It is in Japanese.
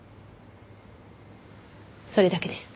それだけです。